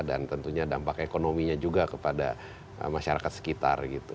dan tentunya dampak ekonominya juga kepada masyarakat sekitar